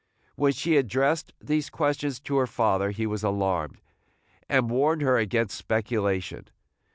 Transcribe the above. When she addressed these questions to her father, he was alarmed, and warned her against speculation.